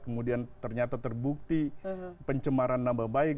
kemudian ternyata terbukti pencemaran nama baik